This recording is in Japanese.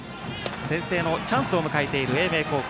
先制のチャンスを迎えている英明高校。